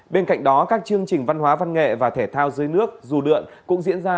bên cạnh đó các chương trình văn hóa văn nghệ và thể thao dưới nước dù đượn cũng diễn ra